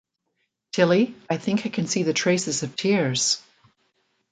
Tilly, I think I can see the traces of tears.